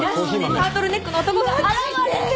タートルネックの男が現れて。